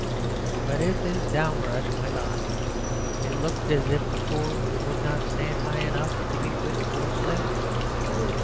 But if this downrush went on, it looked as if the poor would not stand high enough to be fit for slavery.